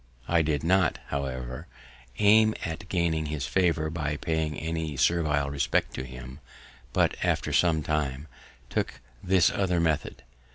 I did not, however, aim at gaining his favour by paying any servile respect to him, but, after some time, took this other method.